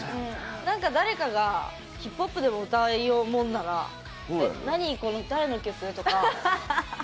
誰かがヒップホップでも歌うもんなら誰の曲？とか。